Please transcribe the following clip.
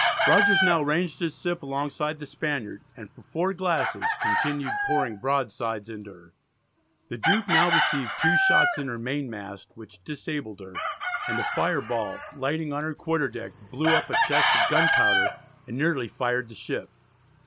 Rogers now ranged his ship alongside the Spaniard, and for 4 glasses continued pouring broadsides into her. The Duke now received two shots in her mainmast, which disabled her, and a fire ball lighting on her quarter deck blew up a chest of gunpowder, and nearly fired the ship.